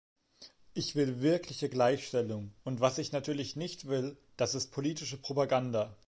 Ich will wirkliche Gleichstellung, und was ich natürlich nicht will, das ist politische Propaganda.